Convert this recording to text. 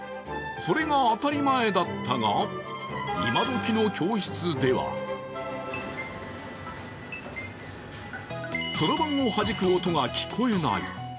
それが当たり前だったが、今どきの教室ではそろばんをはじく音が聞こえない。